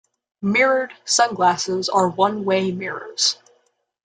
Mirrored sunglasses are one-way mirrors.